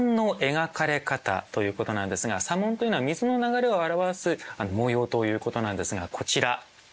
「砂紋」というのは水の流れを表す模様ということなんですがこちら。